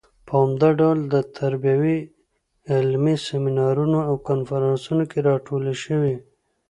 په عمده ډول تربیوي علمي سیمینارونو او کنفرانسونو کې راټولې شوې.